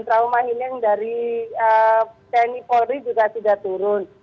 trauma healing dari tni polri juga sudah turun